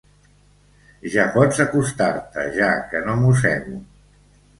Ja pots acostar-te, ja, que no mossego.